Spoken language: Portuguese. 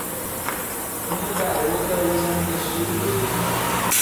Uma garota usa um vestido verde.